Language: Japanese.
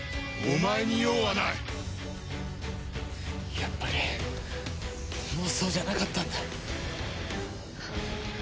やっぱり妄想じゃなかったんだ。